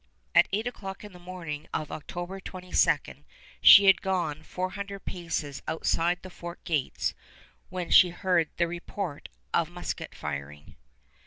At eight o'clock on the morning of October 22 she had gone four hundred paces outside the fort gates when she heard the report of musket firing.